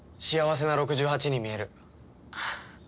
幸せな６８に見える。